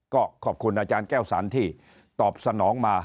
ก็ขอบคุณอาจารย์แก้วสันที่ตอบสนองมา